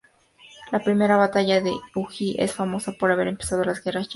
La primera batalla de Uji es famosa por haber empezado las Guerras Genpei.